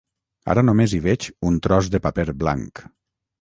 Ara només hi veig un tros de paper blanc.